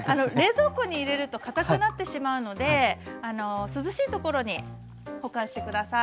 冷蔵庫に入れるとかたくなってしまうので涼しいところに保管して下さい。